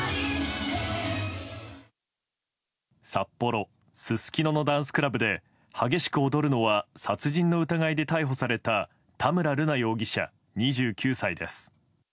札幌・すすきののダンスクラブで激しく踊るのは殺人の疑いで逮捕された田村瑠奈容疑者、２９歳です。